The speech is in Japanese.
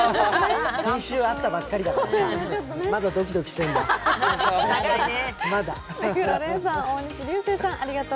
先週会ったばっかりだけどさ、まだドキドキしてんだ、まだ。